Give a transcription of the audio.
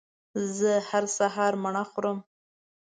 زه هر سهار مڼه خورم